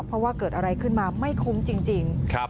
เพราะว่าเกิดอะไรขึ้นมาไม่คุ้มจริง